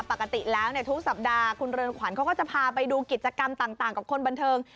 ปกติแล้วทุกสัปดาห์คุณเรือนขวัญเขาก็จะพาไปดูกิจกรรมต่างกับคนบันเทิง